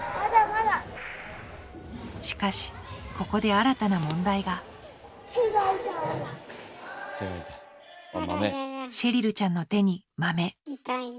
しかしここで新たな問題がシェリルちゃんの手にマメ。